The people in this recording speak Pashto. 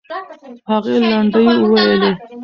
هغې لنډۍ وویلې.